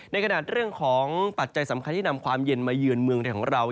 ในขณะเรื่องของปัจจัยสำคัญที่นำความเย็นมาเยือนเมืองไทยของเรา